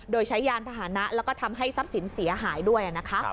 โดยใช้ยานพาหนะแล้วก็ทำให้ทรัพย์สินเสียหายด้วยนะคะ